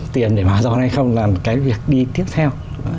tiền để bảo tồn hay không là cái việc đi tiếp theo